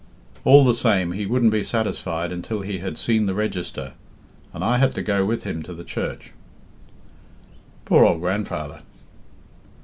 All the same, he wouldn't be satisfied until he had seen the register, and I had to go with him to the church." "Poor old grandfather!"